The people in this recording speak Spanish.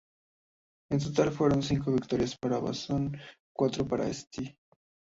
En total fueron cinco victorias para Boston y cuatro para St.